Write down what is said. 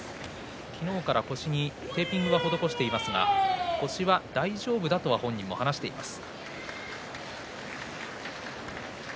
昨日から腰にテーピングを施していますが、腰は大丈夫だと本人は話しています。